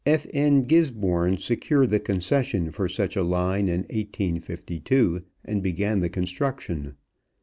F.N. Gisborne secured the concession for such a line in 1852, and began the construction.